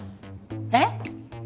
えっ？